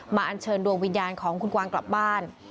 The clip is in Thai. อันเชิญดวงวิญญาณของคุณกวางกลับบ้าน